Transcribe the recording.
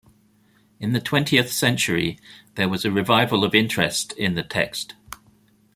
In the twentieth century there was a revival of interest in the text.